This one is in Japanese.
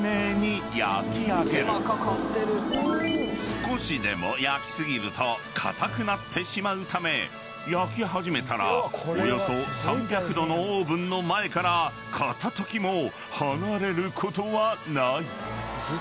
［少しでも焼き過ぎると硬くなってしまうため焼き始めたらおよそ３００℃のオーブンの前から片時も離れることはない］